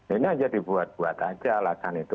ini aja dibuat buat aja alasan itu